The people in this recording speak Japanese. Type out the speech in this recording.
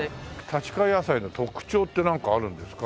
立川野菜の特徴ってなんかあるんですか？